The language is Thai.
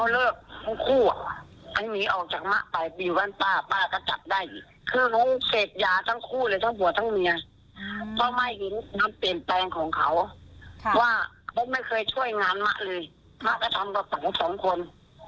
ลูกสภัยช่วยงานมาเลยมาก็ทำกับสองคน